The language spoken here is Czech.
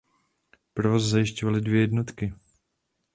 Provoz zajišťovaly dvě jednotky.